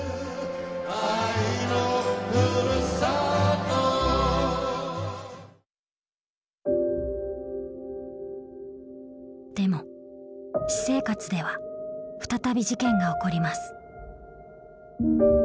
「愛の故郷」でも私生活では再び事件が起こります。